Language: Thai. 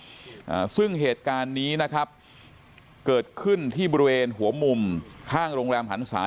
อ่าซึ่งเหตุการณ์นี้นะครับเกิดขึ้นที่บริเวณหัวมุมข้างโรงแรมหันศา